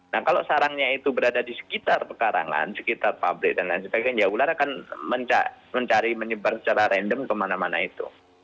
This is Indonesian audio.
nah kalau sarangnya itu berada di sekitar pekarangan sekitar pabrik dan lain sebagainya ular akan mencari menyebar secara random kemana mana itu